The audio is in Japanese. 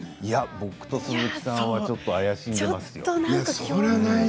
僕と鈴木さんはちょっと怪しんでいますよ。